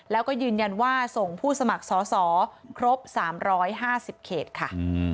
แล้วก็ยืนยันว่าส่งผู้สมัครสอสอครบ๓๕๐เขตค่ะ